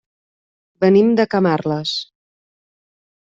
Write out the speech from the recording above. Venim de Camarles.